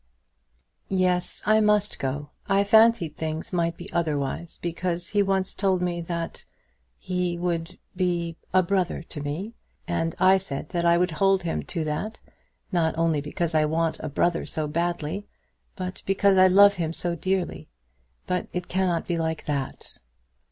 "Yes; I must go. I fancied things might be otherwise, because he once told me that he would be a brother to me. And I said I would hold him to that; not only because I want a brother so badly, but because I love him so dearly. But it cannot be like that."